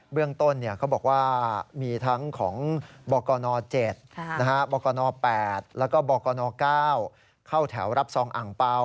เรื่องต้นเขาบอกว่ามีทั้งของบกน๗บกน๘แล้วก็บกน๙เข้าแถวรับซองอ่างเปล่า